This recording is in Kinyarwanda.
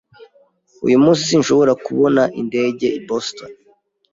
Uyu munsi sinshobora kubona indege i Boston.